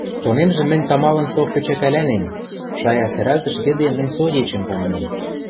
Тонемжӹ мӹнь тамалын со кӹчӓкӓлӓнем, шая сӓрӓлтӹш йӹде мӹнь со ечӹм помынем.